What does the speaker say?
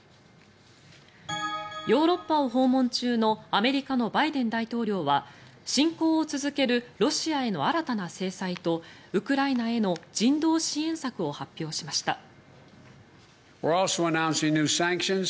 ヨーロッパを訪問中のアメリカのバイデン大統領は侵攻を続けるロシアへの新たな制裁とウクライナへの人道支援策を発表しました。